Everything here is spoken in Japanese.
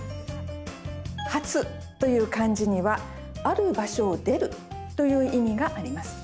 「発」という漢字には「ある場所を出る」という意味があります。